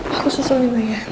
aku susul nino ya